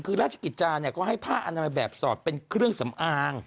คือราชกิจจาเนี่ยก็ให้ผ้าอนามัยแบบสอดเป็นเครื่องสำอาง